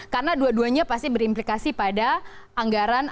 karena dua duanya pasti berimplikasi pada anggaran apbd